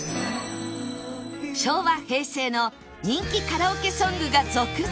昭和・平成の人気カラオケソングが続々！